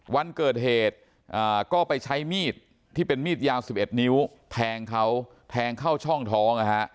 วันเกิดเหตุก็ไปใช้มีดที่เป็นมีดยาว๑๑นิ้วแทงเขาแทงเข้าช่องท้อง